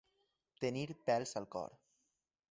Tenir pèls al cor.